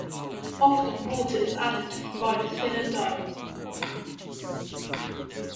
Often, water is added to produce a thinner dough.